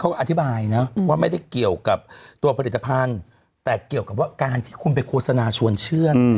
อธิบายนะว่าไม่ได้เกี่ยวกับตัวผลิตภัณฑ์แต่เกี่ยวกับว่าการที่คุณไปโฆษณาชวนเชื่อง